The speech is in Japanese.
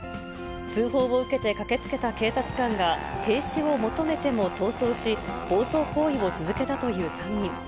通報を受けて駆けつけた警察官が、停止を求めても逃走し、暴走行為を続けたという３人。